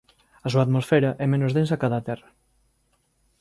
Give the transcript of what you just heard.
A súa atmosfera é menos densa que a da Terra